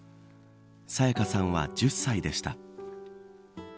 沙也加さんは１０歳でした。